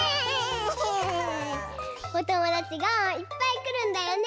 おともだちがいっぱいくるんだよね！